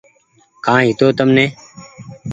ڪآئي هيتو تمني